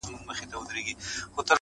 • د مقدسي فلسفې د پيلولو په نيت.